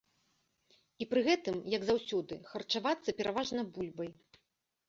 І пры гэтым, як заўсёды, харчавацца пераважна бульбай.